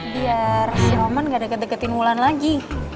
biar si roman gak deketin wulan lagi